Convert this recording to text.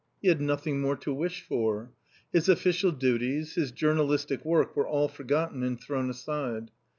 He had nothing more to wish for. His official duties, his journal istic work were all forgotten and thrown aside.